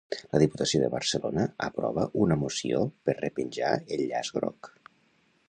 La Diputació de Barcelona aprova una moció per repenjar el llaç groc.